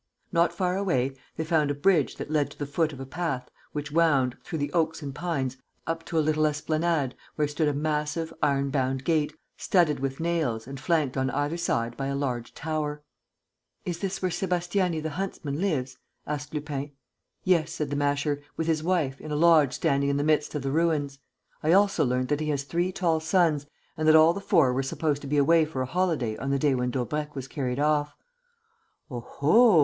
Not far away they found a bridge that led to the foot of a path which wound, through the oaks and pines, up to a little esplanade, where stood a massive, iron bound gate, studded with nails and flanked on either side by a large tower. "Is this where Sébastiani the huntsman lives?" asked Lupin. "Yes," said the Masher, "with his wife, in a lodge standing in the midst of the ruins. I also learnt that he has three tall sons and that all the four were supposed to be away for a holiday on the day when Daubrecq was carried off." "Oho!"